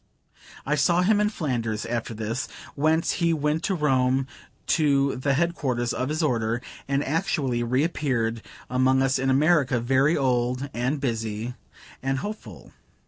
I saw him in Flanders after this, whence he went to Rome to the head quarters of his Order; and actually reappeared among us in America, very old, and busy, and hopeful.